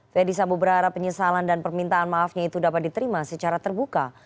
ferdisambo berharap penyesalan dan permintaan maafnya itu dapat diterima secara terbuka